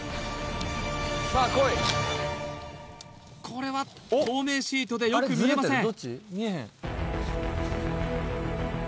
これは透明シートでよく見えません